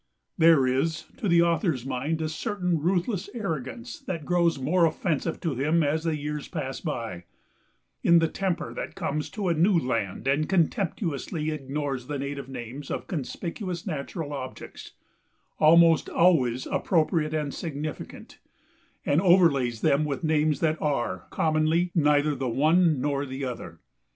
There is, to the author's mind, a certain ruthless arrogance that grows more offensive to him as the years pass by, in the temper that comes to a "new" land and contemptuously ignores the native names of conspicuous natural objects, almost always appropriate and significant, and overlays them with names that are, commonly, neither the one nor the other.